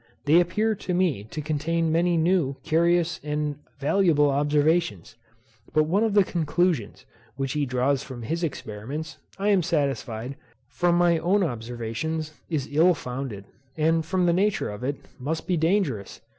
They appear to me to contain many new, curious, and valuable observations; but one of the conclusions, which he draws from his experiments, I am satisfied, from my own observations, is ill founded, and from the nature of it, must be dangerous.